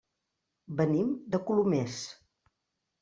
Venim de Colomers.